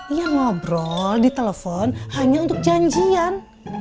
iya ngobrol ditelepon hanya untuk janjian